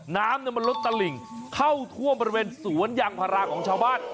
น้ำมันลดตะหลิ่งเข้าท่วมบริเวณสวนยางพาราของชาวบ้าน